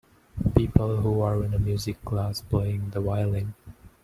People who are in a music class playing the violin.